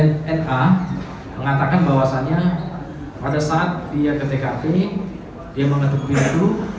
yang mengatakan bahwasannya pada saat dia ke tkp dia mengetuk binatang